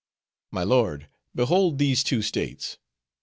My lord, behold these two states!